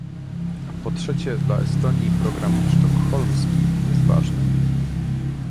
Po trzecie, dla Estonii program sztokholmski jest ważny